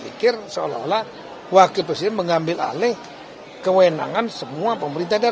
pikir seolah olah wakil presiden mengambil alih kewenangan semua pemerintah daerah